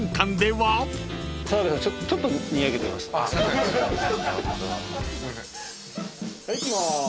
はいいきます。